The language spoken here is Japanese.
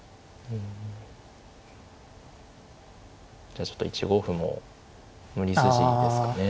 じゃあちょっと１五歩も無理筋ですかね。